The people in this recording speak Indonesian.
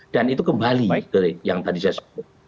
dan itu kembali ke yang tadi saya sebut